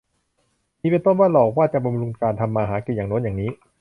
มีเป็นต้นว่า หลอกว่าจะบำรุงการทำมาหากินอย่างโน้นอย่างนี้